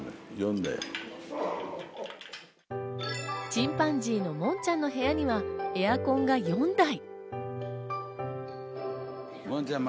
チンパンジーのモンちゃんの部屋にはエアコンが４台。